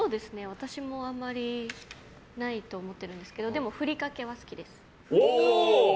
私もあんまりないと思ってるんですけどでも、ふりかけは好きです。